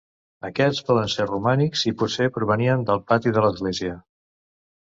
Aquests poden ser romànics i potser provenien del pati de l'església.